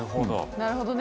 なるほどね。